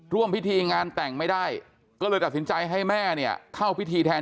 ร่วมพิธีงานแต่งไม่ได้ก็เลยตัดสินใจให้แม่เนี่ยเข้าพิธีแทน